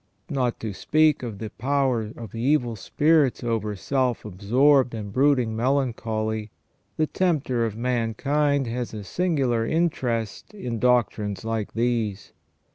Not to speak of the power of evil spirits over self absorbed and brooding melancholy, the tempter of mankind has a singular interest in doctrines like these.